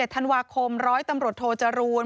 ธันวาคม๑๐๐ตำรวจโทจรูล